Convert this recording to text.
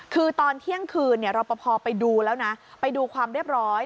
คือตอนเที่ยงคืนรอปภไปดูแล้วนะไปดูความเรียบร้อย